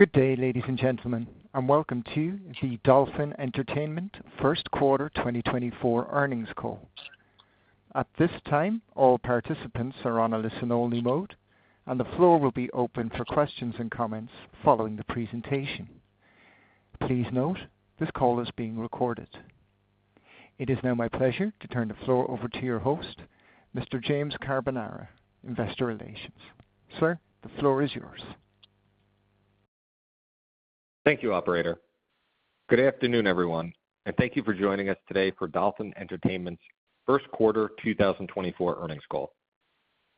Good day, ladies and gentlemen, and welcome to the Dolphin Entertainment First Quarter 2024 Earnings Call. At this time, all participants are on a listen-only mode, and the floor will be open for questions and comments following the presentation. Please note, this call is being recorded. It is now my pleasure to turn the floor over to your host, Mr. James Carbonara, Investor Relations. Sir, the floor is yours. Thank you, operator. Good afternoon, everyone, and thank you for joining us today for Dolphin Entertainment's first quarter 2024 earnings call.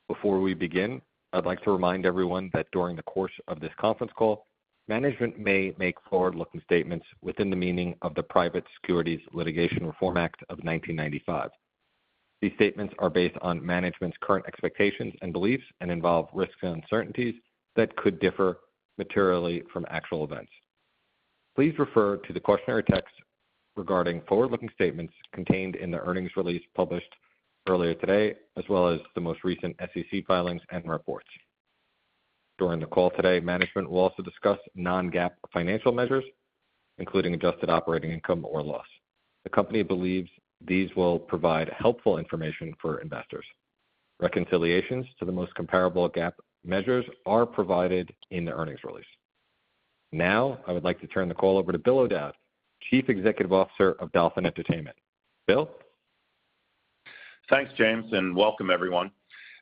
Before we begin, I'd like to remind everyone that during the course of this conference call, management may make forward-looking statements within the meaning of the Private Securities Litigation Reform Act of 1995. These statements are based on management's current expectations and beliefs and involve risks and uncertainties that could differ materially from actual events. Please refer to the cautionary text regarding forward-looking statements contained in the earnings release published earlier today, as well as the most recent SEC filings and reports. During the call today, management will also discuss non-GAAP financial measures, including adjusted operating income or loss. The company believes these will provide helpful information for investors. Reconciliations to the most comparable GAAP measures are provided in the earnings release. Now, I would like to turn the call over to Bill O'Dowd, Chief Executive Officer of Dolphin Entertainment. Bill? Thanks, James, and welcome everyone.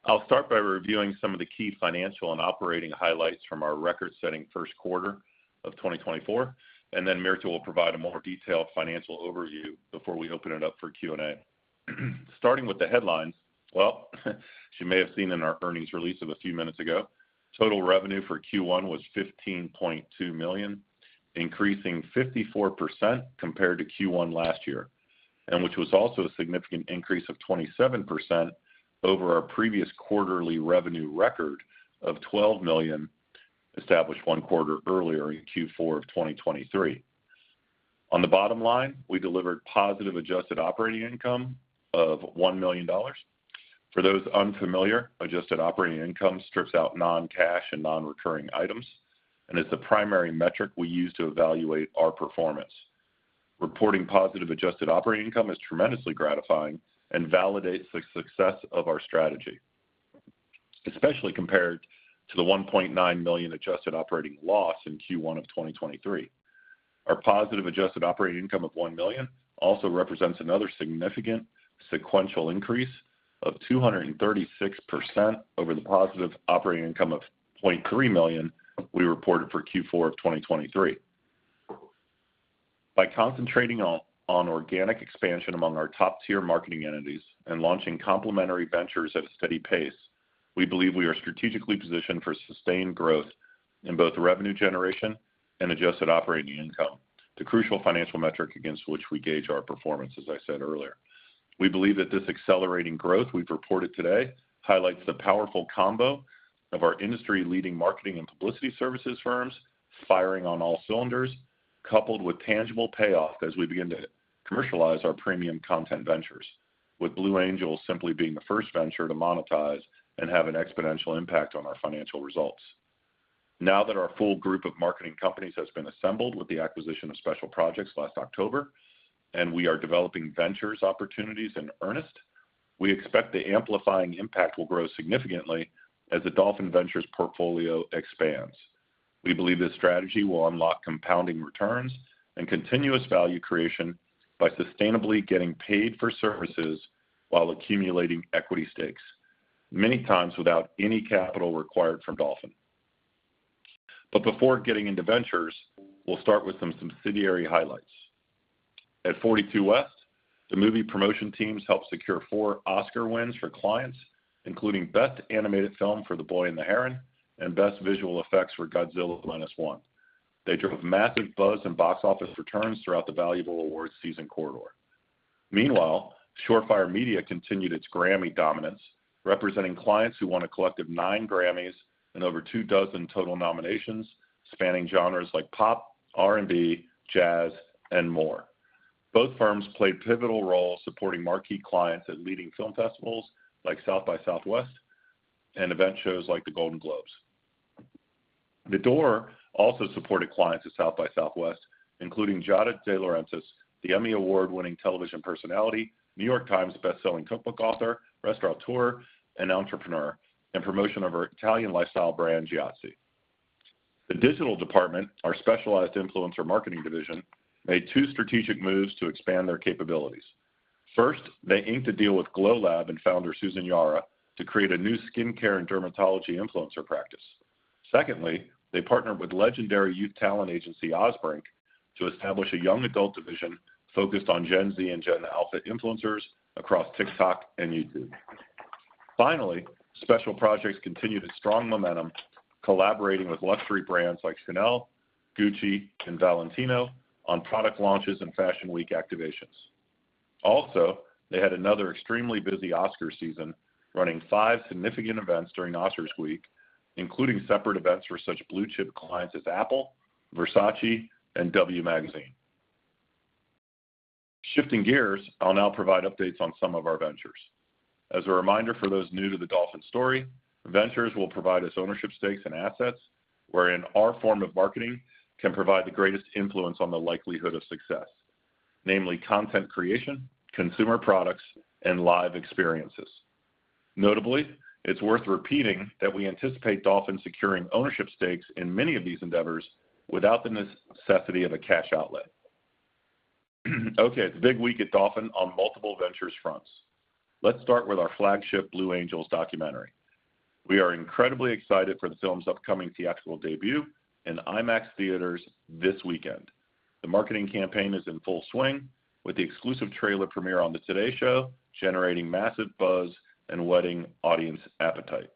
I'll start by reviewing some of the key financial and operating highlights from our record-setting first quarter of 2024, and then Mirta will provide a more detailed financial overview before we open it up for Q&A. Starting with the headlines, well, you may have seen in our earnings release of a few minutes ago, total revenue for Q1 was $15.2 million, increasing 54% compared to Q1 last year, and which was also a significant increase of 27% over our previous quarterly revenue record of $12 million, established one quarter earlier in Q4 of 2023. On the bottom line, we delivered positive adjusted operating income of $1 million. For those unfamiliar, adjusted operating income strips out non-cash and non-recurring items and is the primary metric we use to evaluate our performance. Reporting positive adjusted operating income is tremendously gratifying and validates the success of our strategy, especially compared to the $1.9 million adjusted operating loss in Q1 of 2023. Our positive adjusted operating income of $1 million also represents another significant sequential increase of 236% over the positive operating income of $0.3 million we reported for Q4 of 2023. By concentrating on organic expansion among our top-tier marketing entities and launching complementary ventures at a steady pace, we believe we are strategically positioned for sustained growth in both revenue generation and adjusted operating income, the crucial financial metric against which we gauge our performance, as I said earlier. We believe that this accelerating growth we've reported today highlights the powerful combo of our industry-leading marketing and publicity services firms firing on all cylinders, coupled with tangible payoff as we begin to commercialize our premium content ventures, with Blue Angels simply being the first venture to monetize and have an exponential impact on our financial results. Now that our full group of marketing companies has been assembled with the acquisition of Special Projects last October, and we are developing venture opportunities in earnest, we expect the amplifying impact will grow significantly as the Dolphin Ventures portfolio expands. We believe this strategy will unlock compounding returns and continuous value creation by sustainably getting paid for services while accumulating equity stakes, many times without any capital required from Dolphin. But before getting into ventures, we'll start with some subsidiary highlights. At 42West, the movie promotion teams helped secure four Oscar wins for clients, including Best Animated Film for The Boy and the Heron and Best Visual Effects for Godzilla Minus One. They drove massive buzz and box office returns throughout the valuable award season corridor. Meanwhile, Shore Fire Media continued its Grammy dominance, representing clients who won a collective nine Grammys and over 24 total nominations, spanning genres like pop, R&B, jazz, and more. Both firms played pivotal roles supporting marquee clients at leading film festivals like South by Southwest and event shows like the Golden Globes. The Door also supported clients at South by Southwest, including Giada De Laurentiis, the Emmy Award-winning television personality, New York Times best-selling cookbook author, restaurateur, and entrepreneur, and promotion of her Italian lifestyle brand, Giadzy. The Digital Department, our specialized influencer marketing division, made two strategic moves to expand their capabilities. First, they inked a deal with GlowLab and Founder Susan Yara to create a new skincare and dermatology influencer practice. Secondly, they partnered with legendary youth talent agency, Osbrink, to establish a young adult division focused on Gen Z and Gen Alpha influencers across TikTok and YouTube. Finally, Special Projects continued its strong momentum, collaborating with luxury brands like Chanel, Gucci, and Valentino on product launches and Fashion Week activations. Also, they had another extremely busy Oscar season, running five significant events during Oscars week, including separate events for such blue-chip clients as Apple, Versace, and W Magazine. Shifting gears, I'll now provide updates on some of our ventures. As a reminder for those new to the Dolphin story, ventures will provide us ownership stakes and assets, wherein our form of marketing can provide the greatest influence on the likelihood of success, namely content creation, consumer products, and live experiences. Notably, it's worth repeating that we anticipate Dolphin securing ownership stakes in many of these endeavors without the necessity of a cash outlet. Okay, it's a big week at Dolphin on multiple ventures fronts. Let's start with our flagship Blue Angels documentary. We are incredibly excited for the film's upcoming theatrical debut in IMAX theaters this weekend. The marketing campaign is in full swing, with the exclusive trailer premiere on the Today Show, generating massive buzz and whetting audience appetite.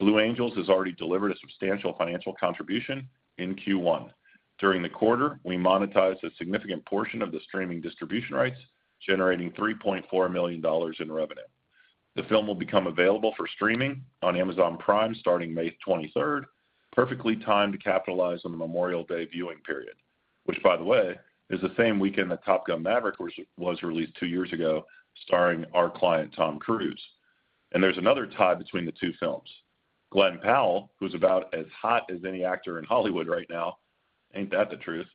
Blue Angels has already delivered a substantial financial contribution in Q1. During the quarter, we monetized a significant portion of the streaming distribution rights, generating $3.4 million in revenue. The film will become available for streaming on Amazon Prime starting May 23rd, perfectly timed to capitalize on the Memorial Day viewing period, which, by the way, is the same weekend that Top Gun: Maverick was released two years ago, starring our client, Tom Cruise. There's another tie between the two films. Glen Powell, who's about as hot as any actor in Hollywood right now, ain't that the truth?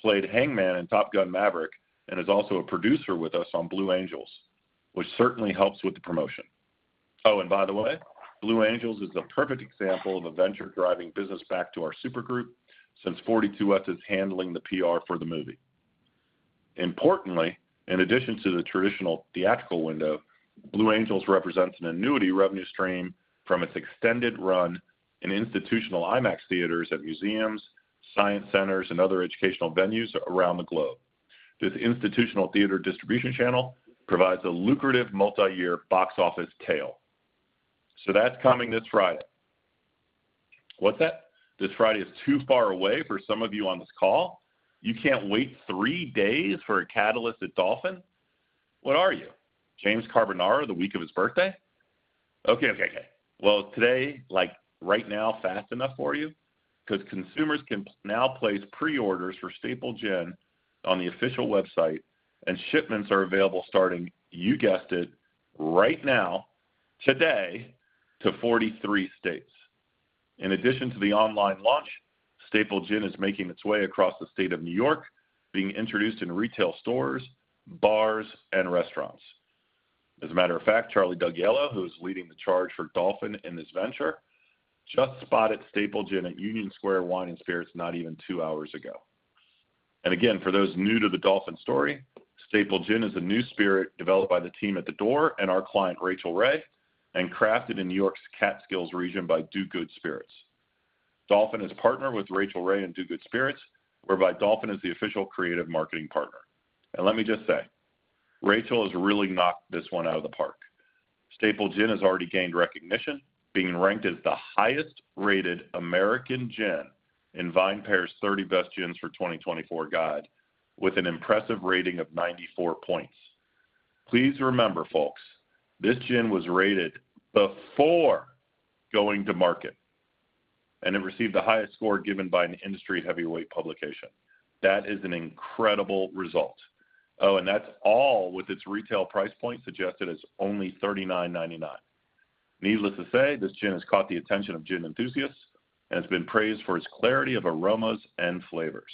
Played Hangman in Top Gun: Maverick, and is also a producer with us on Blue Angels, which certainly helps with the promotion. Oh, and by the way, Blue Angels is the perfect example of a venture driving business back to our supergroup, since 42West is handling the PR for the movie. Importantly, in addition to the traditional theatrical window, Blue Angels represents an annuity revenue stream from its extended run in institutional IMAX theaters at museums, science centers, and other educational venues around the globe. This institutional theater distribution channel provides a lucrative multi-year box office tail. So that's coming this Friday. What's that? This Friday is too far away for some of you on this call. You can't wait three days for a catalyst at Dolphin? What are you, James Carbonara, the week of his birthday? Okay, okay, okay. Well, today, like, right now, fast enough for you? 'Cause consumers can now place preorders for Staple Gin on the official website, and shipments are available starting, you guessed it, right now, today, to 43 states. In addition to the online launch, Staple Gin is making its way across the state of New York, being introduced in retail stores, bars, and restaurants. As a matter of fact, Charlie Dougiello, who's leading the charge for Dolphin in this venture, just spotted Staple Gin at Union Square Wines & Spirits not even two hours ago. And again, for those new to the Dolphin story, Staple Gin is a new spirit developed by the team at The Door and our client, Rachael Ray, and crafted in New York's Catskills region by Do Good Spirits. Dolphin is a partner with Rachael Ray and Do Good Spirits, whereby Dolphin is the official creative marketing partner. And let me just say, Rachael has really knocked this one out of the park. Staple Gin has already gained recognition, being ranked as the highest-rated American gin in VinePair's 30 Best Gins for 2024 guide, with an impressive rating of 94 points. Please remember, folks, this gin was rated before going to market, and it received the highest score given by an industry heavyweight publication. That is an incredible result. Oh, and that's all with its retail price point suggested as only $39.99. Needless to say, this gin has caught the attention of gin enthusiasts and has been praised for its clarity of aromas and flavors.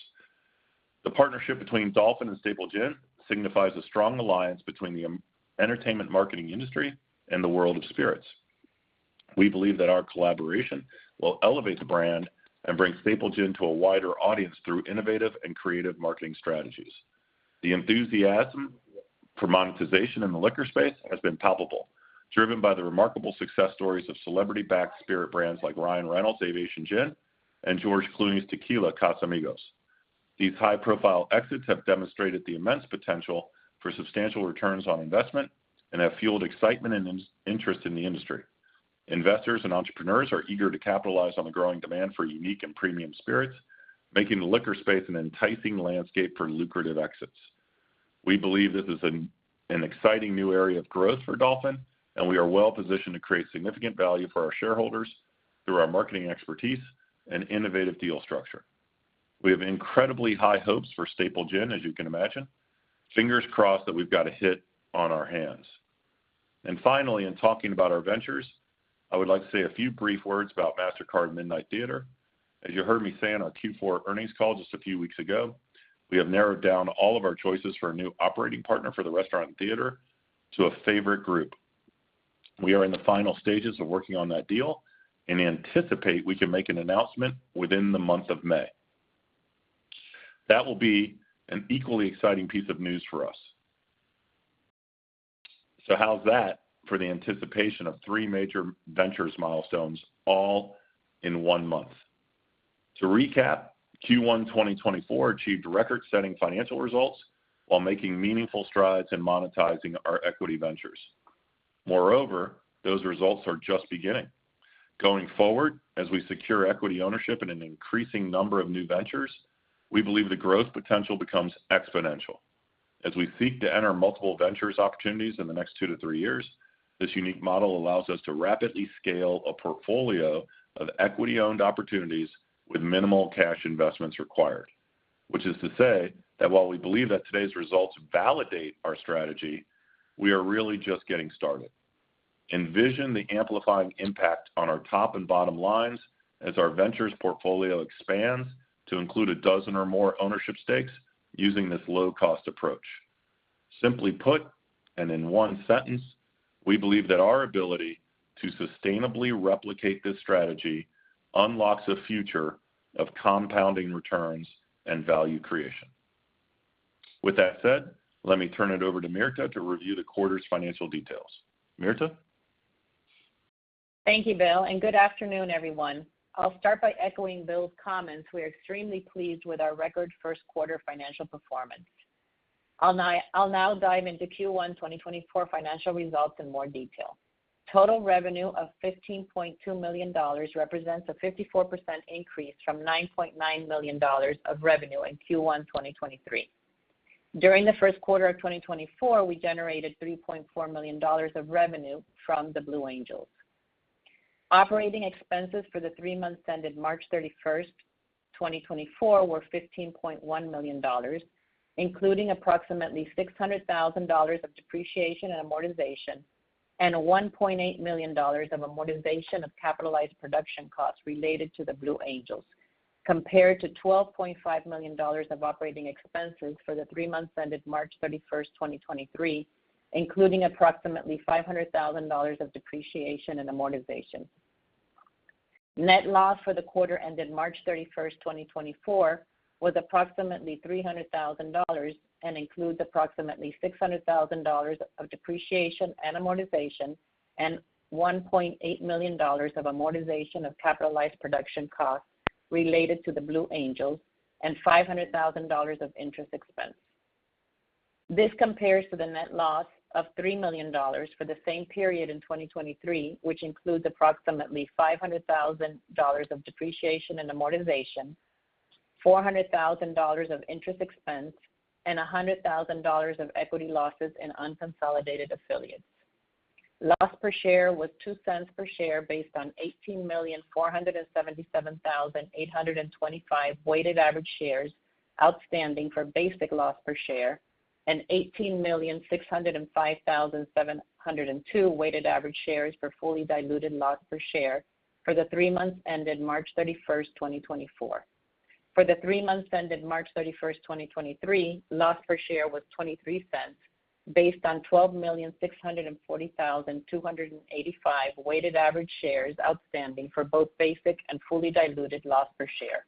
The partnership between Dolphin and Staple Gin signifies a strong alliance between the entertainment marketing industry and the world of spirits. We believe that our collaboration will elevate the brand and bring Staple Gin to a wider audience through innovative and creative marketing strategies. The enthusiasm for monetization in the liquor space has been palpable, driven by the remarkable success stories of celebrity-backed spirit brands like Ryan Reynolds' Aviation Gin and George Clooney's tequila, Casamigos. These high-profile exits have demonstrated the immense potential for substantial returns on investment and have fueled excitement and interest in the industry. Investors and entrepreneurs are eager to capitalize on the growing demand for unique and premium spirits, making the liquor space an enticing landscape for lucrative exits. We believe this is an exciting new area of growth for Dolphin, and we are well-positioned to create significant value for our shareholders through our marketing expertise and innovative deal structure. We have incredibly high hopes for Staple Gin, as you can imagine. Fingers crossed that we've got a hit on our hands. Finally, in talking about our ventures, I would like to say a few brief words about Mastercard Midnight Theatre. As you heard me say on our Q4 earnings call just a few weeks ago, we have narrowed down all of our choices for a new operating partner for the restaurant theater to a favorite group. We are in the final stages of working on that deal and anticipate we can make an announcement within the month of May. That will be an equally exciting piece of news for us. How's that for the anticipation of three major ventures milestones all in one month? To recap, Q1 2024 achieved record-setting financial results while making meaningful strides in monetizing our equity ventures. Moreover, those results are just beginning. Going forward, as we secure equity ownership in an increasing number of new ventures, we believe the growth potential becomes exponential. As we seek to enter multiple venture opportunities in the next two-three years. This unique model allows us to rapidly scale a portfolio of equity-owned opportunities with minimal cash investments required. Which is to say, that while we believe that today's results validate our strategy, we are really just getting started. Envision the amplifying impact on our top and bottom lines as our ventures portfolio expands to include 12 or more ownership stakes using this low-cost approach. Simply put, and in one sentence, we believe that our ability to sustainably replicate this strategy unlocks a future of compounding returns and value creation. With that said, let me turn it over to Mirta to review the quarter's financial details. Mirta? Thank you, Bill, and good afternoon, everyone. I'll start by echoing Bill's comments. We are extremely pleased with our record first quarter financial performance. I'll now dive into Q1 2024 financial results in more detail. Total revenue of $15.2 million represents a 54% increase from $9.9 million of revenue in Q1 2023. During the first quarter of 2024, we generated $3.4 million of revenue from the Blue Angels. Operating expenses for the three months ended March 31, 2024, were $15.1 million, including approximately $600,000 of depreciation and amortization, and $1.8 million of amortization of capitalized production costs related to The Blue Angels, compared to $12.5 million of operating expenses for the three months ended March 31, 2023, including approximately $500,000 of depreciation and amortization. Net loss for the quarter ended March 31, 2024, was approximately $300,000 and includes approximately $600,000 of depreciation and amortization, and $1.8 million of amortization of capitalized production costs related to The Blue Angels, and $500,000 of interest expense. This compares to the net loss of $3 million for the same period in 2023, which includes approximately $500,000 of depreciation and amortization, $400,000 of interest expense, and $100,000 of equity losses in unconsolidated affiliates. Loss per share was $0.02 per share, based on 18,477,825 weighted average shares outstanding for basic loss per share, and 18,605,702 weighted average shares for fully diluted loss per share for the three months ended March 31, 2024. For the three months ended March 31, 2023, loss per share was $0.23, based on 12,640,285 weighted average shares outstanding for both basic and fully diluted loss per share.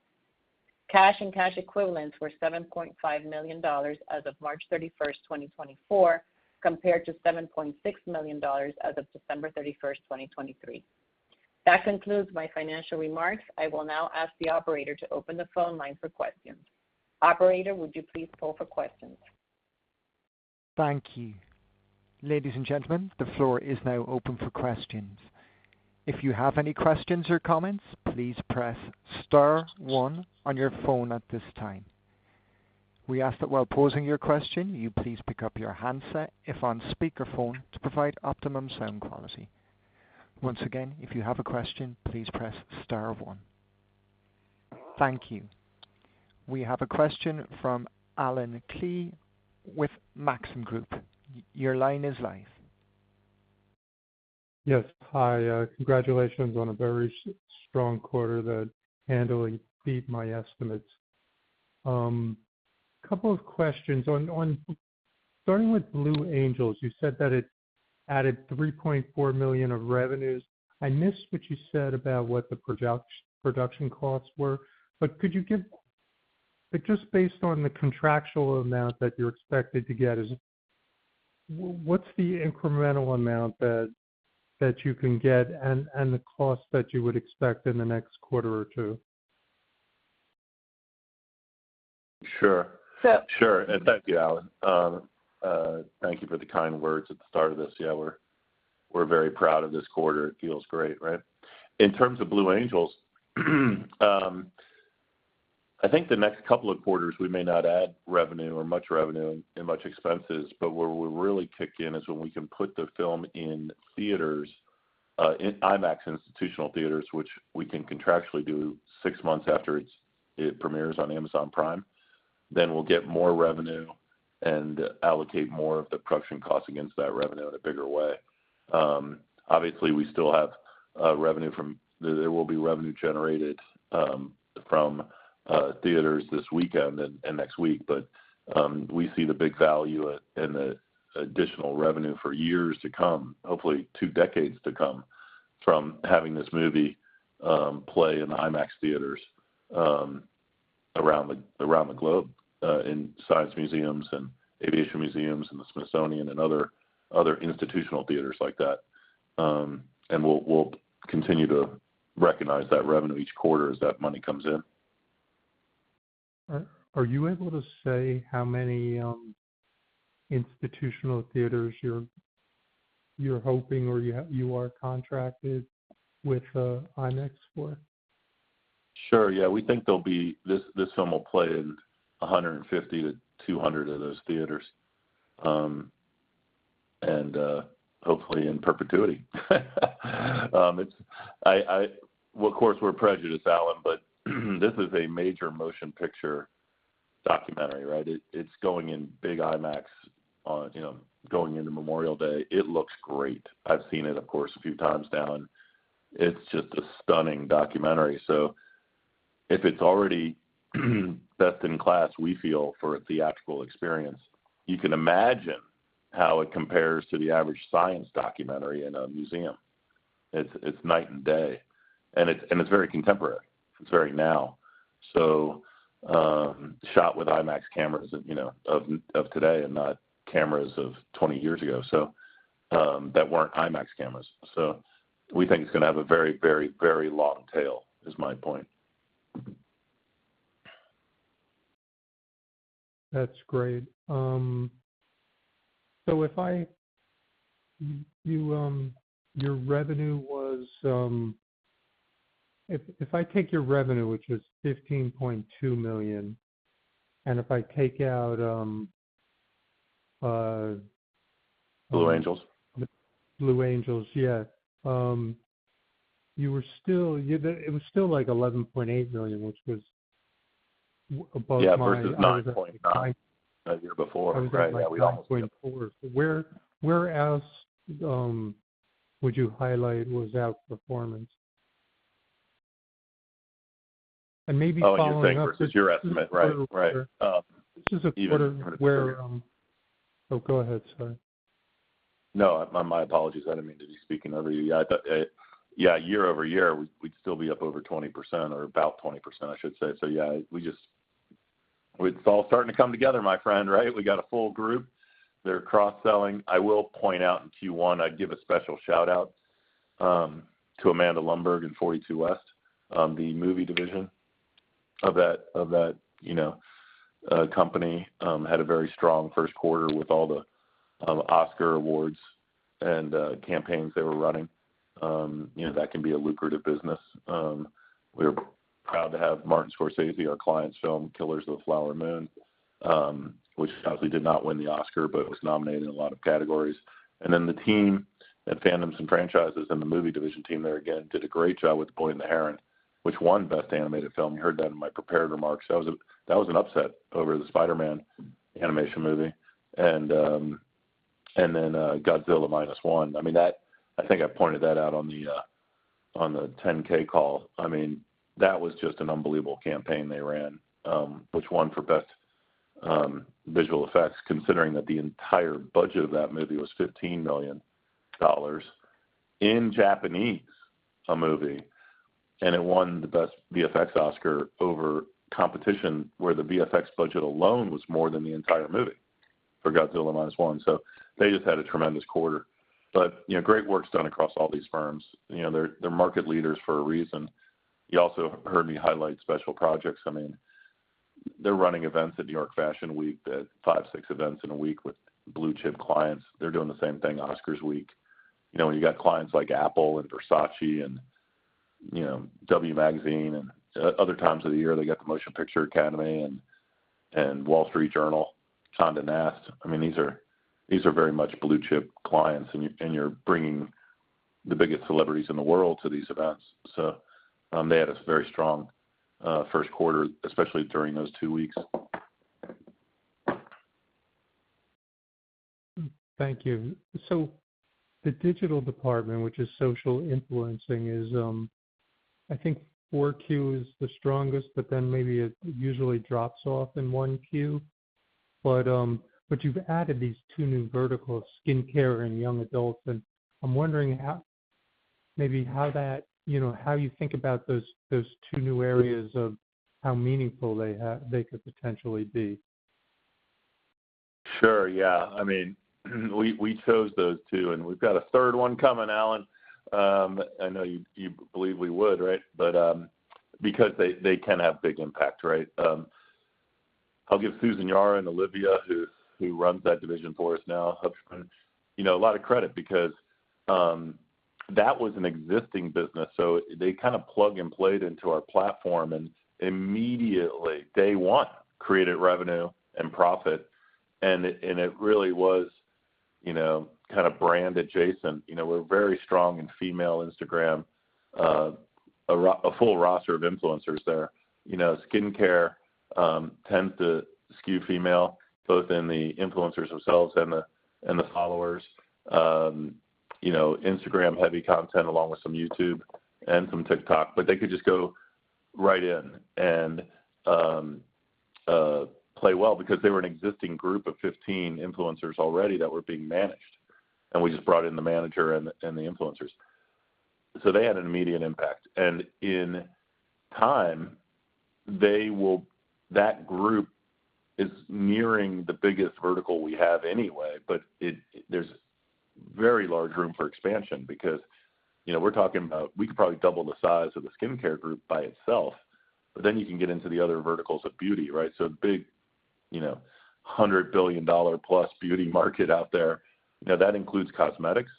Cash and cash equivalents were $7.5 million as of March 31, 2024, compared to $7.6 million as of December 31, 2023. That concludes my financial remarks. I will now ask the operator to open the phone line for questions. Operator, would you please poll for questions? Thank you. Ladies and gentlemen, the floor is now open for questions. If you have any questions or comments, please press star one on your phone at this time. We ask that while posing your question, you please pick up your handset, if on speakerphone, to provide optimum sound quality. Once again, if you have a question, please press star one. Thank you. We have a question from Allen Klee with Maxim Group. Your line is live. Yes. Hi, congratulations on a very strong quarter that handily beat my estimates. Couple of questions. On starting with Blue Angels, you said that it added $3.4 million of revenues. I missed what you said about what the production costs were, but could you give but just based on the contractual amount that you're expected to get, is what's the incremental amount that you can get and the cost that you would expect in the next quarter or two? Sure, and thank you, Allen. Thank you for the kind words at the start of this. Yeah, we're, we're very proud of this quarter. It feels great, right? In terms of Blue Angels, I think the next couple of quarters, we may not add revenue or much revenue and much expenses, but where we're really kick in, is when we can put the film in theaters, in IMAX institutional theaters, which we can contractually do six months after it premieres on Amazon Prime. Then we'll get more revenue and allocate more of the production costs against that revenue in a bigger way. Obviously, we still have revenue from—there will be revenue generated, from theaters this weekend and next week. But, we see the big value in the additional revenue for years to come, hopefully two decades to come, from having this movie play in the IMAX theaters around the globe, in science museums and aviation museums and the Smithsonian and other institutional theaters like that. And we'll continue to recognize that revenue each quarter as that money comes in. Are you able to say how many institutional theaters you're hoping or you have, you are contracted with IMAX for? Sure. Yeah, we think there'll be this, this film will play in 150-200 of those theaters. And, hopefully in perpetuity. It's well, of course, we're prejudiced, Alan, but this is a major motion picture documentary, right? It, it's going in big IMAX on, you know, going into Memorial Day. It looks great. I've seen it, of course, a few times now, and it's just a stunning documentary. So if it's already best in class, we feel, for a theatrical experience, you can imagine how it compares to the average science documentary in a museum. It's, it's night and day, and it's, and it's very contemporary. It's very now. So, shot with IMAX cameras, you know, of, of today and not cameras of 20 years ago, so, that weren't IMAX cameras. So we think it's gonna have a very, very, very long tail, is my point. That's great. So if I take your revenue, which is $15.2 million, and if I take out-- Blue Angels? Blue Angels, yeah. You were still, it was still, like, $11.8 million, which was above my-- Yeah, versus $9.9 million the year before. Right, $9.4 million. Yeah, we almost. Where else would you highlight was outperformance? And maybe following up-- Oh, you're saying versus your estimate, right. Right. Just a quarter where--oh, go ahead, sorry. No, my apologies. I didn't mean to be speaking over you. Yeah, I thought, yeah, year-over-year, we'd still be up over 20%, or about 20%, I should say. So, yeah. We just—it's all starting to come together, my friend, right? We got a full group. They're cross-selling. I will point out in Q1, I'd give a special shout-out to Amanda Lundberg and 42West. The movie division of that company, you know, had a very strong first quarter with all the Oscar awards and campaigns they were running. You know, that can be a lucrative business. We're proud to have Martin Scorsese, our client's film, Killers of the Flower Moon, which sadly did not win the Oscar, but it was nominated in a lot of categories. And then the team at Fandoms & Franchises and the movie division team there, again, did a great job with The Boy and the Heron, which won Best Animated Film. You heard that in my prepared remarks. That was an upset over the Spider-Man animation movie. And then, Godzilla Minus One. I mean, I think I pointed that out on the 10-K call. I mean, that was just an unbelievable campaign they ran, which won for Best Visual Effects, considering that the entire budget of that movie was $15 million in Japanese, a movie, and it won the Best VFX Oscar over competition, where the VFX budget alone was more than the entire movie for Godzilla Minus One. So they just had a tremendous quarter. But, you know, great work's done across all these firms. You know, they're market leaders for a reason. You also heard me highlight Special Projects. I mean, they're running events at New York Fashion Week, five-six events in a week with blue-chip clients. They're doing the same thing, Oscars week. You know, when you got clients like Apple and Versace and, you know, W Magazine, and other times of the year, they got the Motion Picture Academy and Wall Street Journal, Condé Nast. I mean, these are very much blue-chip clients, and you're bringing the biggest celebrities in the world to these events. So, they had a very strong first quarter, especially during those two weeks. Thank you. So The Digital Department, which is social influencing, is, I think 4Q is the strongest, but then maybe it usually drops off in 1Q. But, but you've added these two new verticals, skincare and young adults, and I'm wondering how- maybe how that--you know, how you think about those, those two new areas of how meaningful they could potentially be. Sure, yeah. I mean, we chose those two, and we've got a third one coming, Alan. I know you, you believe we would, right? But, because they, they can have big impact, right? I'll give Susan Yara and Olivia, who, who runs that division for us now, huge, you know, a lot of credit because, that was an existing business, so they kind of plug and played into our platform, and immediately, day one, created revenue and profit. And it really was, you know, kind of brand adjacent. You know, we're very strong in female Instagram, a full roster of influencers there. You know, skincare tends to skew female, both in the influencers themselves and the, and the followers. You know, Instagram-heavy content, along with some YouTube and some TikTok, but they could just go right in and play well because they were an existing group of 15 influencers already that were being managed, and we just brought in the manager and the influencers. So they had an immediate impact, and in time, they will, that group is nearing the biggest vertical we have anyway, but it, there's very large room for expansion because, you know, we're talking about we could probably double the size of the skincare group by itself, but then you can get into the other verticals of beauty, right? So a big, you know, $100 billion+ beauty market out there. Now, that includes cosmetics?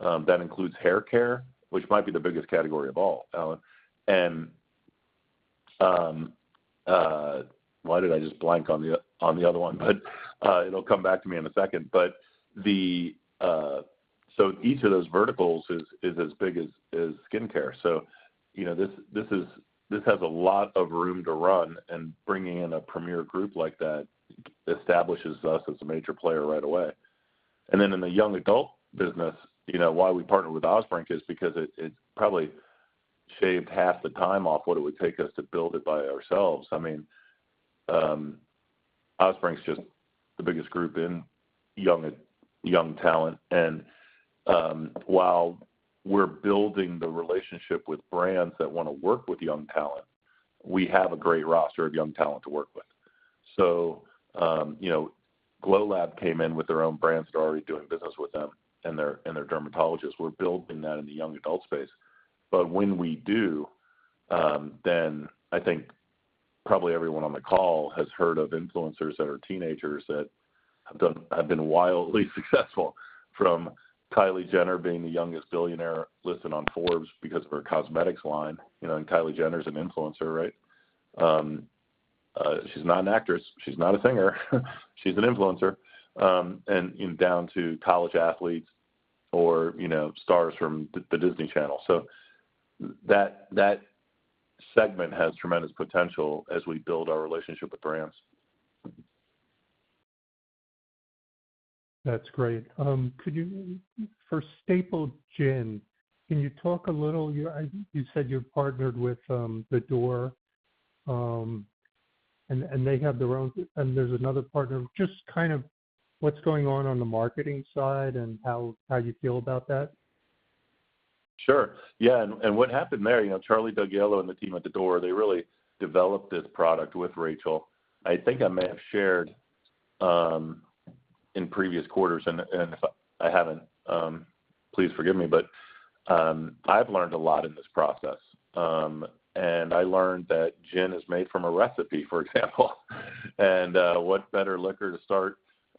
That includes haircare, which might be the biggest category of all, Allen. Why did I just blank on the other one? It'll come back to me in a second. So each of those verticals is as big as skincare. You know, this, this is. This has a lot of room to run, and bringing in a premier group like that establishes us as a major player right away. Then in the young adult business, you know, why we partnered with Osbrink is because it probably shaved half the time off what it would take us to build it by ourselves. I mean, Osbrink's just the biggest group in young talent. While we're building the relationship with brands that wanna work with young talent, we have a great roster of young talent to work with. So, you know, Glow Lab came in with their own brands. They're already doing business with them and their, and their dermatologists. We're building that in the young adult space. But when we do, then I think probably everyone on the call has heard of influencers that are teenagers that have been wildly successful, from Kylie Jenner being the youngest billionaire listed on Forbes because of her cosmetics line. You know, and Kylie Jenner is an influencer, right? She's not an actress, she's not a singer, she's an influencer. And, you know, down to college athletes or, you know, stars from the, the Disney Channel. So that, that segment has tremendous potential as we build our relationship with brands. That's great. Could you, for Staple Gin, can you talk a little. You said you've partnered with The Door, and there's another partner. Just kind of what's going on on the marketing side and how you feel about that? Sure. Yeah, and what happened there, you know, Charlie Dougiello and the team at The Door, they really developed this product with Rachael. I think I may have shared, in previous quarters, and if I haven't, please forgive me, but, I've learned a lot in this process. And I learned that gin is made from a recipe, for example. And, what better liquor to start,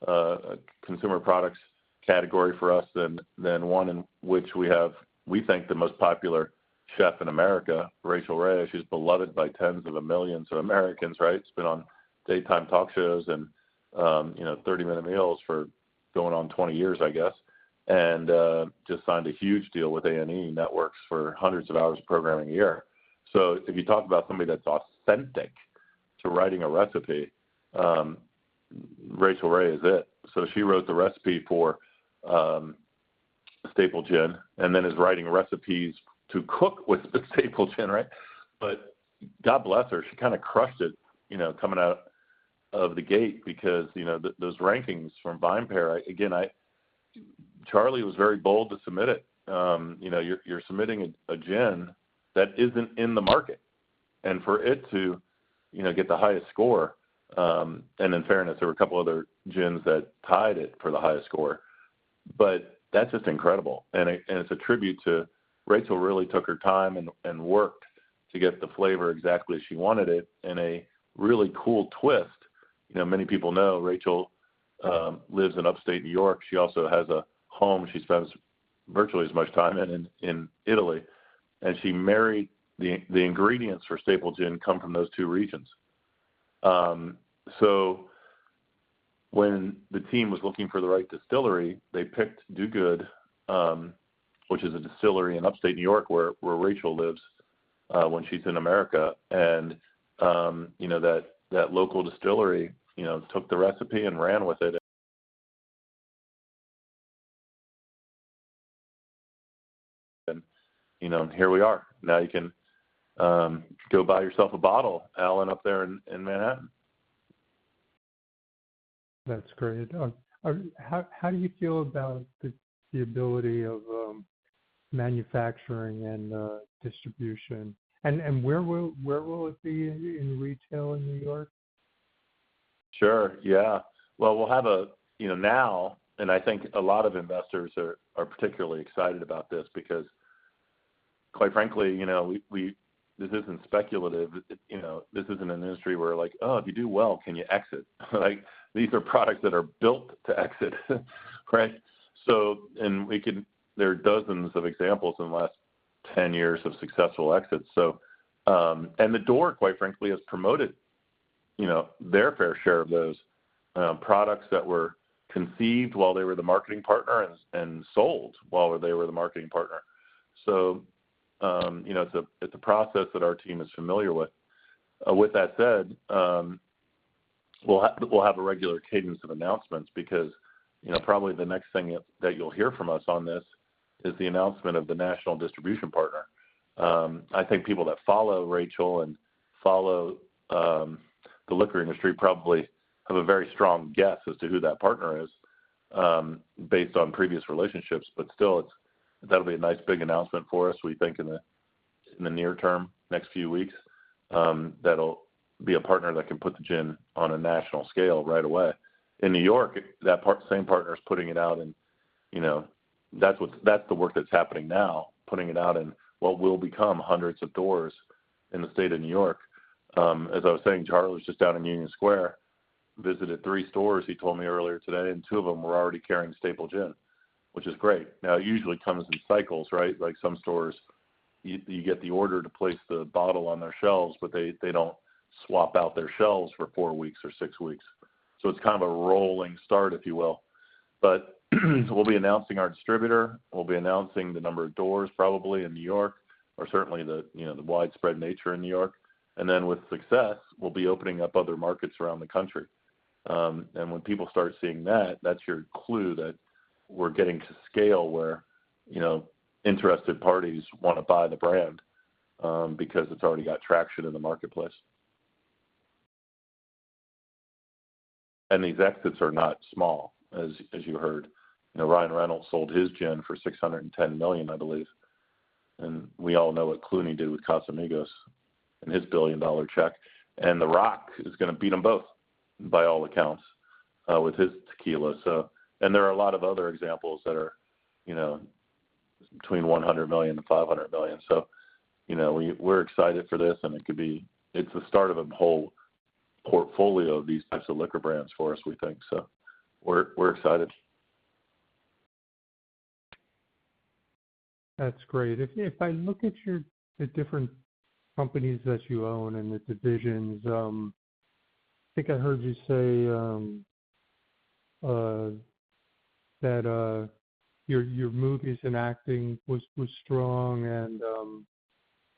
a consumer products category for us than, than one in which we have, we think, the most popular chef in America, Rachael Ray. She's beloved by tens of millions of Americans, right? It's been on daytime talk shows and, you know, 30-minute meals for going on 20 years, I guess. And, just signed a huge deal with A&E Networks for hundreds of hours of programming a year. So if you talk about somebody that's authentic to writing a recipe, Rachael Ray is it. So she wrote the recipe for Staple Gin, and then is writing recipes to cook with the Staple Gin, right? But God bless her, she kinda crushed it, you know, coming out of the gate because, you know, those rankings from VinePair, again, Charlie was very bold to submit it. You're submitting a gin that isn't in the market, and for it to get the highest score, and in fairness, there were a couple other gins that tied it for the highest score, but that's just incredible. It's a tribute to Rachael really took her time and worked to get the flavor exactly as she wanted it. In a really cool twist, you know, many people know Rachael lives in upstate New York. She also has a home she spends virtually as much time in in Italy, and the ingredients for Staple Gin come from those two regions. So when the team was looking for the right distillery, they picked Do Good, which is a distillery in upstate New York, where Rachael lives when she's in America. And you know, that local distillery you know took the recipe and ran with it. And you know, here we are. Now you can go buy yourself a bottle, Allen, up there in Manhattan. That's great. How do you feel about the ability of manufacturing and distribution? And where will it be in retail in New York? Sure, yeah. Well, we'll have a--you know, now, and I think a lot of investors are particularly excited about this because quite frankly, you know, we-- this isn't speculative. You know, this isn't an industry where, like, "Oh, if you do well, can you exit?" Like, these are products that are built to exit, right? So and we could-- there are dozens of examples in the last 10 years of successful exits. So, and The Door, quite frankly, has promoted, you know, their fair share of those, products that were conceived while they were the marketing partner and sold while they were the marketing partner. So, you know, it's a process that our team is familiar with. With that said, we'll have a regular cadence of announcements because, you know, probably the next thing that you'll hear from us on this is the announcement of the national distribution partner. I think people that follow Rachael and follow the liquor industry probably have a very strong guess as to who that partner is, based on previous relationships, but still, it's-- that'll be a nice big announcement for us. We think in the near term, next few weeks, that'll be a partner that can put the gin on a national scale right away. In New York, that partner-- same partner is putting it out and, you know, that's what-- that's the work that's happening now, putting it out in what will become hundreds of doors in the state of New York. As I was saying, Charlie was just out in Union Square, visited three stores, he told me earlier today, and two of them were already carrying Staple Gin, which is great. Now, it usually comes in cycles, right? Like some stores, you get the order to place the bottle on their shelves, but they don't swap out their shelves for four weeks or six weeks. So it's kind of a rolling start, if you will. But so we'll be announcing our distributor, we'll be announcing the number of doors probably in New York, or certainly the, you know, the widespread nature in New York. And then with success, we'll be opening up other markets around the country. When people start seeing that, that's your clue that we're getting to scale where, you know, interested parties wanna buy the brand, because it's already got traction in the marketplace. These exits are not small, as you heard. You know, Ryan Reynolds sold his gin for $610 million, I believe, and we all know what Clooney did with Casamigos and his billion-dollar check. The Rock is gonna beat them both, by all accounts, with his tequila. There are a lot of other examples that are, you know, between $100 million-$500 million. You know, we're excited for this, and it could be, it's the start of a whole portfolio of these types of liquor brands for us, we think so. We're excited. That's great. If I look at the different companies that you own and the divisions, I think I heard you say that your movies and acting was strong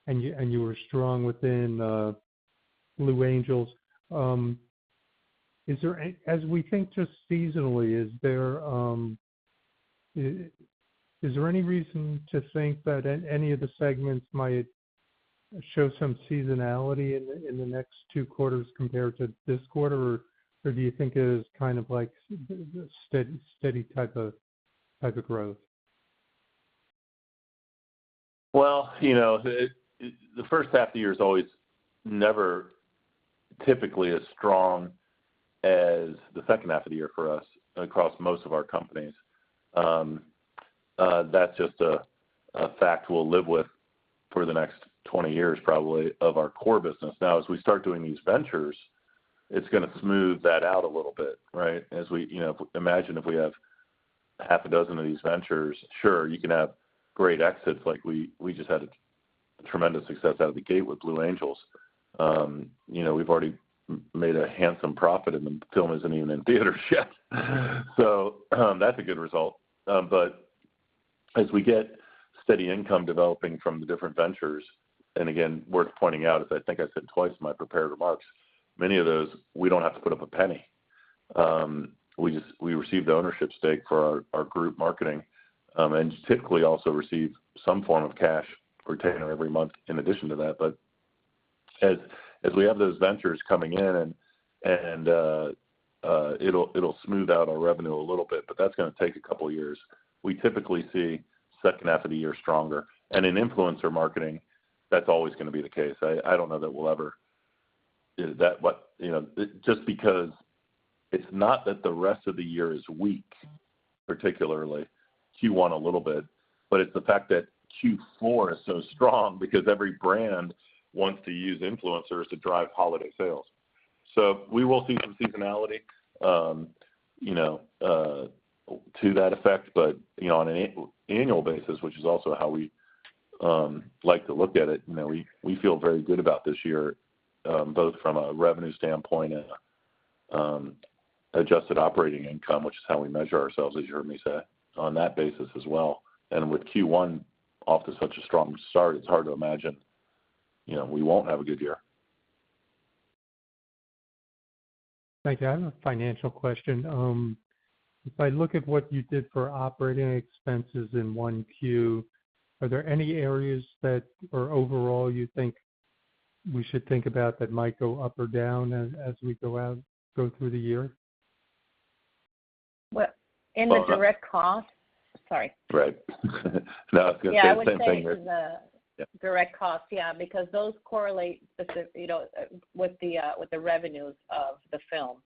and you were strong within Blue Angels. Is there, as we think just seasonally, is there any reason to think that any of the segments might show some seasonality in the next two quarters compared to this quarter? Or do you think it is kind of like steady type of growth? Well, you know, it, the first half of the year is always never typically as strong as the second half of the year for us, across most of our companies. That's just a fact we'll live with for the next 20 years, probably, of our core business. Now, as we start doing these ventures, it's gonna smooth that out a little bit, right? As we, you know, imagine if we have half a dozen of these ventures, sure, you can have great exits like we just had a tremendous success out of the gate with Blue Angels. You know, we've already made a handsome profit, and the film isn't even in theater yet. So, that's a good result. But as we get steady income developing from the different ventures, and again, worth pointing out, as I think I said twice in my prepared remarks, many of those, we don't have to put up a penny. We just, we received ownership stake for our group marketing, and typically also receive some form of cash or retainer every month in addition to that. But as we have those ventures coming in and, it'll smooth out our revenue a little bit, but that's gonna take a couple of years. We typically see second half of the year stronger. And in influencer marketing, that's always gonna be the case. I don't know that we'll ever--you know, just because it's not that the rest of the year is weak, particularly Q1 a little bit, but it's the fact that Q4 is so strong because every brand wants to use influencers to drive holiday sales. So we will see some seasonality, you know, to that effect, but, you know, on an annual basis, which is also how we like to look at it, you know, we, we feel very good about this year, both from a revenue standpoint and adjusted operating income, which is how we measure ourselves, as you heard me say, on that basis as well. And with Q1 off to such a strong start, it's hard to imagine, you know, we won't have a good year. Thank you. I have a financial question. If I look at what you did for operating expenses in 1Q, are there any areas that are overall, you think we should think about that might go up or down as we go through the year? Well, in the direct cost--sorry. Right. No, same thing. Yeah, I would say the direct costs, yeah, because those correlate specific, you know, with the revenues of the film.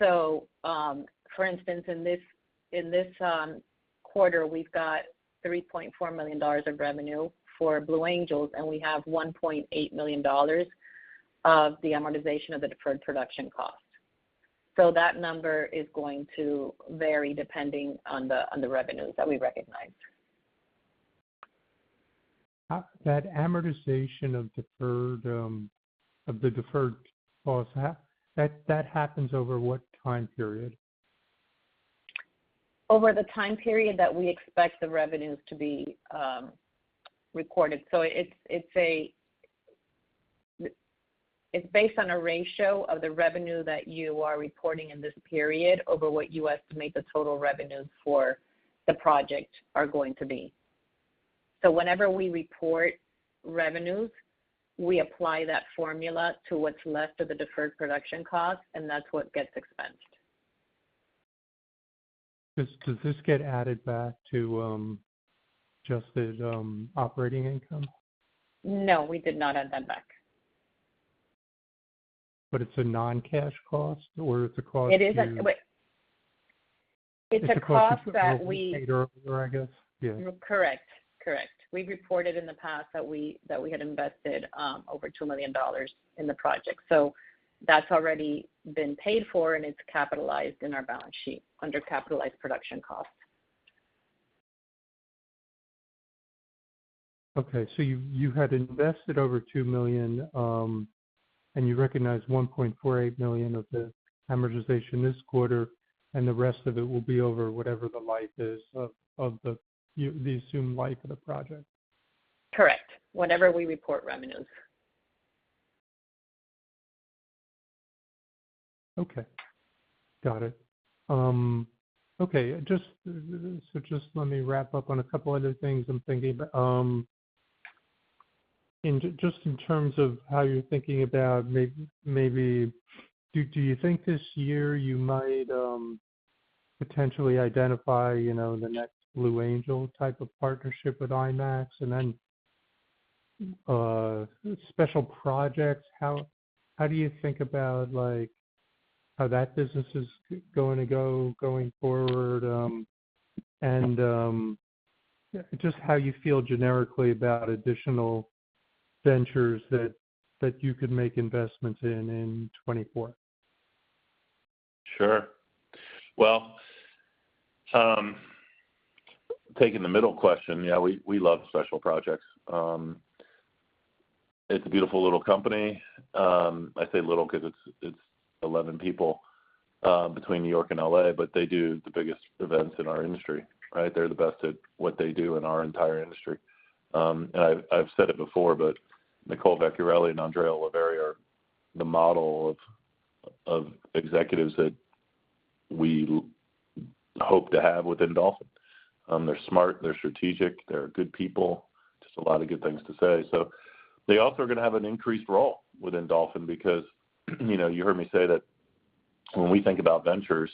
So, for instance, in this quarter, we've got $3.4 million of revenue for Blue Angels, and we have $1.8 million of the amortization of the deferred production cost. So that number is going to vary depending on the revenues that we recognize. How that amortization of deferred, of the deferred costs, that happens over what time period? Over the time period that we expect the revenues to be recorded. So it's based on a ratio of the revenue that you are reporting in this period over what you estimate the total revenues for the project are going to be. So whenever we report revenues, we apply that formula to what's left of the deferred production cost, and that's what gets expensed. Does this get added back to just the operating income? No, we did not add that back. But it's a non-cash cost or it's a cost to. It's a cost that we-- I guess, yeah. Correct. We've reported in the past that we, that we had invested over $2 million in the project. So that's already been paid for, and it's capitalized in our balance sheet under capitalized production costs. Okay, so you had invested over $2 million, and you recognized $1.48 million of the amortization this quarter, and the rest of it will be over whatever the life is of the assumed life of the project? Correct. Whenever we report revenues. Okay, got it. Okay, just, so just let me wrap up on a couple other things I'm thinking about. Just in terms of how you're thinking about maybe, do you think this year you might potentially identify, you know, the next Blue Angels type of partnership with IMAX? And then, Special Projects, how do you think about, like, how that business is going to go forward? And just how you feel generically about additional ventures that you could make investments in, in 2024. Sure. Well, taking the middle question, yeah, we love Special Projects. It's a beautiful little company. I say little because it's 11 people between New York and L.A., but they do the biggest events in our industry, right? They're the best at what they do in our entire industry. And I've said it before, but Nicole Vecchiarelli and Andrea Oliveri are the model of executives that we hope to have within Dolphin. They're smart, they're strategic, they're good people, just a lot of good things to say. So they also are gonna have an increased role within Dolphin because, you know, you heard me say that when we think about ventures,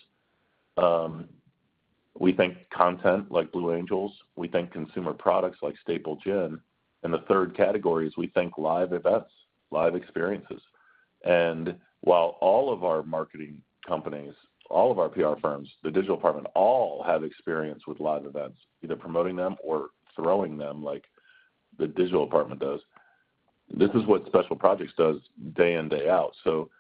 we think content like Blue Angels, we think consumer products like Staple Gin, and the third category is we think live events, live experiences. While all of our marketing companies, all of our PR firms, the Digital Department, all have experience with live events, either promoting them or throwing them, like the Digital Department does, this is what Special Projects does day in, day out. So,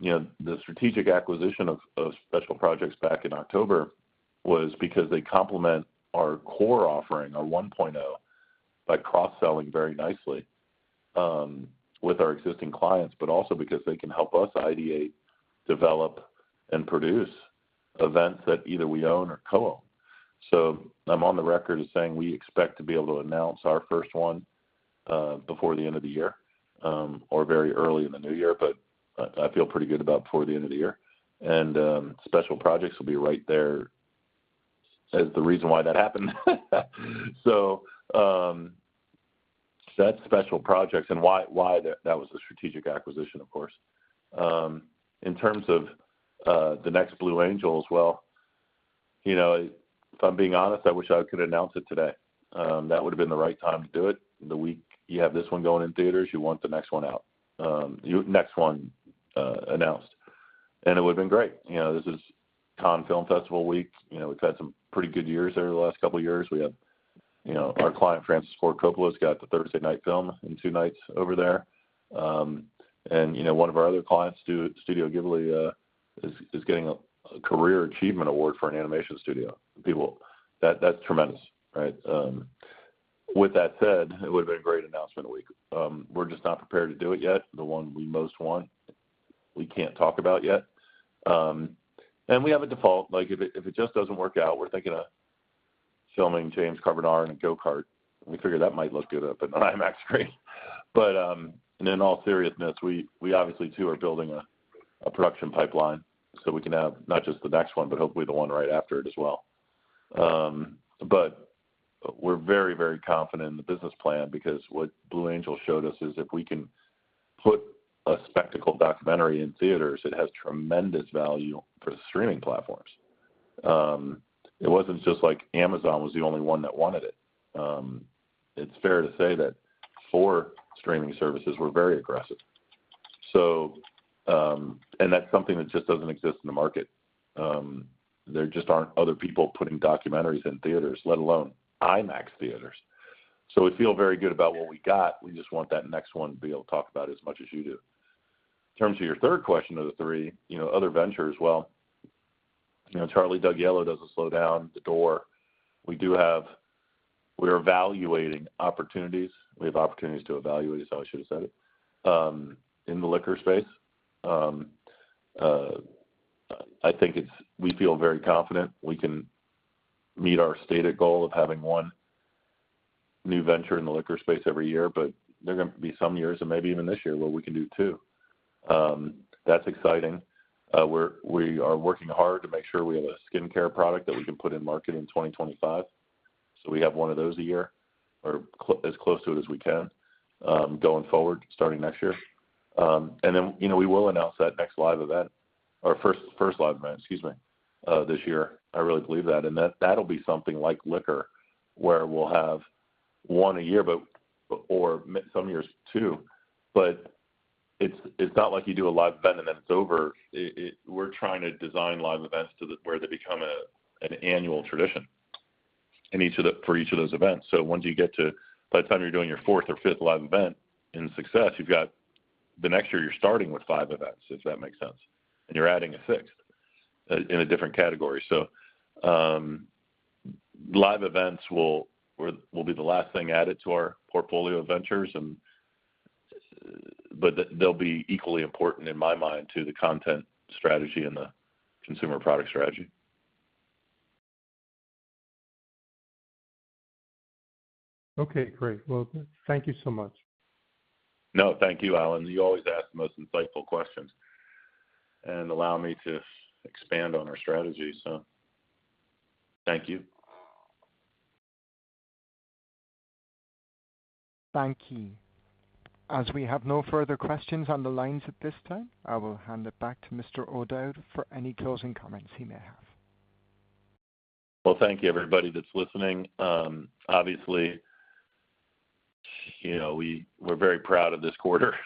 you know, the strategic acquisition of Special Projects back in October was because they complement our core offering, our 1.0, by cross-selling very nicely with our existing clients, but also because they can help us ideate, develop, and produce events that either we own or co-own. So I'm on the record as saying we expect to be able to announce our first one before the end of the year or very early in the new year, but I feel pretty good about before the end of the year. Special Projects will be right there as the reason why that happened. So, that's Special Projects and why that was a strategic acquisition, of course. In terms of the next Blue Angels, well, you know, if I'm being honest, I wish I could announce it today. That would have been the right time to do it. The week you have this one going in theaters, you want the next one out, next one announced, and it would have been great. You know, this is Cannes Film Festival week. You know, we've had some pretty good years there the last couple of years. We have, you know, our client, Francis Ford Coppola, has got the Thursday night film in two nights over there. And, you know, one of our other clients, Studio Ghibli, is getting a career achievement award for an animation studio. People, that's tremendous, right? With that said, it would have been a great announcement week. We're just not prepared to do it yet. The one we most want, we can't talk about yet. And we have a default. Like, if it just doesn't work out, we're thinking of filming James Carbonara in a go-kart, and we figure that might look good up on an IMAX screen. And in all seriousness, we obviously, too, are building a production pipeline so we can have not just the next one, but hopefully the one right after it as well. But we're very, very confident in the business plan because what Blue Angels showed us is if we can put a spectacle documentary in theaters, it has tremendous value for the streaming platforms. It wasn't just like Amazon was the only one that wanted it. It's fair to say that four streaming services were very aggressive. So, and that's something that just doesn't exist in the market. There just aren't other people putting documentaries in theaters, let alone IMAX theaters. So we feel very good about what we got. We just want that next one to be able to talk about as much as you do. In terms of your third question of the three, you know, other ventures, well, you know, Charlie Dougiello doesn't slow down The Door. We do have. We're evaluating opportunities. We have opportunities to evaluate, is how I should have said it, in the liquor space. I think it's we feel very confident we can meet our stated goal of having one new venture in the liquor space every year, but there are going to be some years, and maybe even this year, where we can do two. That's exciting. We're working hard to make sure we have a skin care product that we can put in market in 2025. So we have one of those a year, or as close to it as we can, going forward, starting next year. And then, you know, we will announce that next live event or first, first live event, excuse me, this year. I really believe that. That'll be something like liquor, where we'll have one a year, but or some years two. It's not like you do a live event, and then it's over. We're trying to design live events where they become an annual tradition for each of those events. So once you get to, by the time you're doing your fourth or fifth live event in success, you've got the next year, you're starting with five events, if that makes sense, and you're adding a sixth in a different category. So live events will be the last thing added to our portfolio of ventures, but they'll be equally important, in my mind, to the content strategy and the consumer product strategy. Okay, great. Well, thank you so much. No, thank you, Allen. You always ask the most insightful questions and allow me to expand on our strategy, so thank you. Thank you. As we have no further questions on the lines at this time, I will hand it back to Mr. O'Dowd for any closing comments he may have. Well, thank you, everybody that's listening. Obviously, you know, we're very proud of this quarter.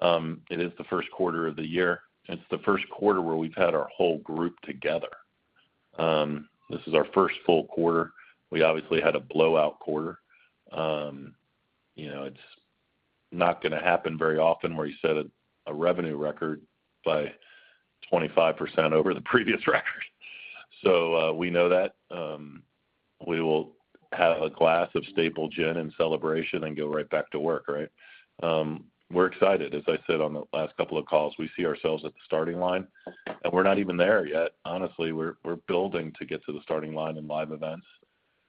It is the first quarter of the year, and it's the first quarter where we've had our whole group together. This is our first full quarter. We obviously had a blowout quarter. You know, it's not gonna happen very often, where you set a revenue record by 25% over the previous record. So, we know that. We will have a glass of Staple Gin in celebration and go right back to work, right? We're excited. As I said on the last couple of calls, we see ourselves at the starting line, and we're not even there yet. Honestly, we're building to get to the starting line in live events,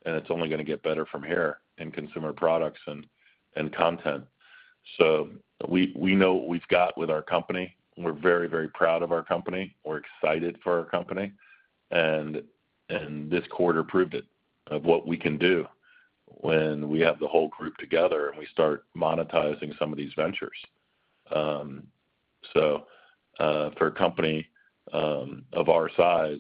and it's only gonna get better from here in consumer products and content. So we know what we've got with our company, and we're very, very proud of our company. We're excited for our company, and this quarter proved it, of what we can do when we have the whole group together, and we start monetizing some of these ventures. So for a company of our size,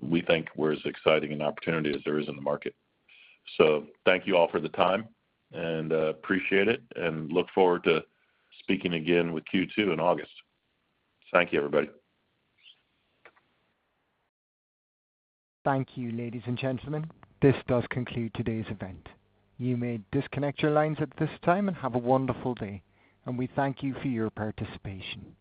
we think we're as exciting an opportunity as there is in the market. So thank you all for the time, and appreciate it, and look forward to speaking again with Q2 in August. Thank you, everybody. Thank you, ladies and gentlemen. This does conclude today's event. You may disconnect your lines at this time, and have a wonderful day, and we thank you for your participation.